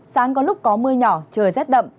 sáng có lúc có mưa nhỏ trời rét đậm